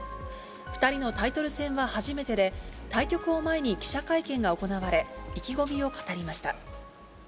２人のタイトル戦は初めてで、対局を前に、記者会見が行われ、意気込みを語りました。